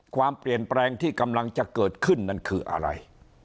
ความเปลี่ยนแปลงที่กำลังจะเกิดขึ้นนั่นคืออะไร